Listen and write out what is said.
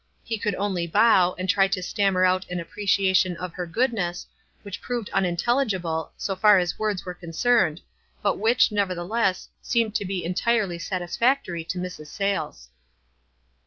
He could only bow and try to stam mer out an appreciation of her goodness, which proved unintelligible, so far as words were con cerned, but which, nevertheless, seemed to be entirely satisfactory to Mrs. Sayles.